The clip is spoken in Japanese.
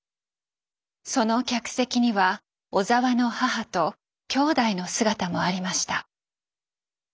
その客席には小澤の母と兄弟の姿もありました。